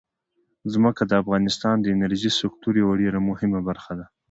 ځمکه د افغانستان د انرژۍ سکتور یوه ډېره مهمه برخه ده.